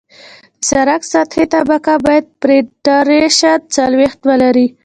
د سرک سطحي طبقه باید پینټریشن څلوېښت ولري